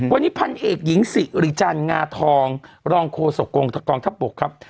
วันนี้พันเอกหญิงสิริจันทร์งาทองรองโฆษกองทัพบกครับ